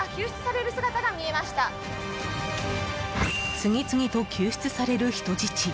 次々と救出される人質。